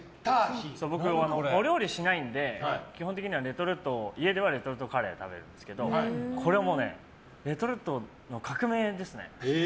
僕、料理しないので基本的に家ではレトルトカレーを食べるんですけどこれはレトルトの革命ですね。